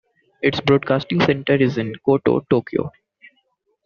Its broadcasting center is in Koto, Tokyo.